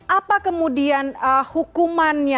apa kemudian hmm hukumannya